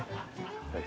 はい。